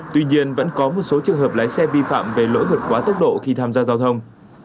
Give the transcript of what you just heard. tuy nhiên vẫn có một số trường hợp lái xe vi phạm về lỗi vượt quá tốc độ khi tham gia giao thông